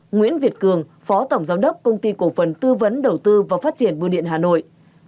nguyễn việt cường phó tổng giám đốc công ty cổ phần tư vấn đầu tư và phát triển bưu điện hà nội